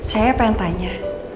saya pengen tanya